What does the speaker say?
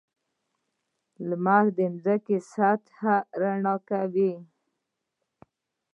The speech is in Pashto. • لمر د ځمکې سطحه رڼا کوي.